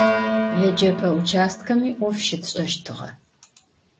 Yêcep'e vuçastkemi 'of şıtş'eştığe.